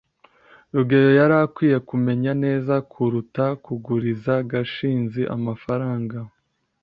rugeyo yari akwiye kumenya neza kuruta kuguriza gashinzi amafaranga